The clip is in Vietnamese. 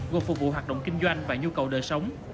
gồm phục vụ hoạt động kinh doanh và nhu cầu đời sống